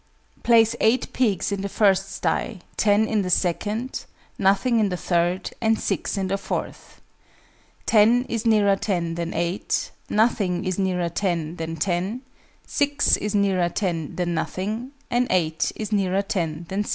_ Place 8 pigs in the first sty, 10 in the second, nothing in the third, and 6 in the fourth: 10 is nearer ten than 8; nothing is nearer ten than 10; 6 is nearer ten than nothing; and 8 is nearer ten than 6.